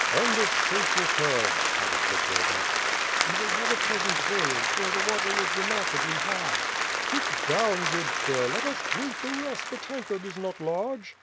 "And a safe return," added Zagloba. "You will have a pleasant voyage; for the water is remark ably high." "Sit down, good sir, let us drink the rest, the tankard is not large."